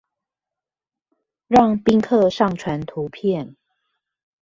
讓賓客上傳圖片